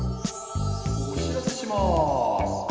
おしらせします。